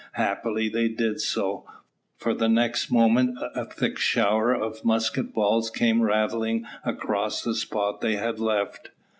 Happily they did so, for the next moment a thick shower of musket balls came rattling across the spot they had left.